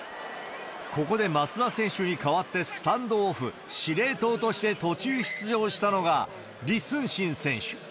ここで松田選手に代わってスタンドオフ・司令塔として途中出場したのが李承信選手。